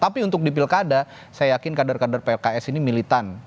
tapi untuk di pilkada saya yakin kader kader pks ini militan